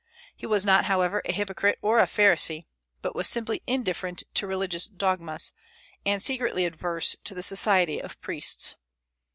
He was not, however, a hypocrite or a pharisee, but was simply indifferent to religious dogmas, and secretly averse to the society of priests.